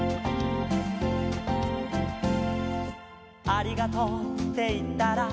「ありがとうっていったら」